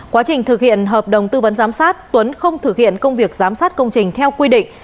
quá trình thực hiện hợp đồng tư vấn giám sát tuấn không thực hiện công việc giám sát công trình theo quy định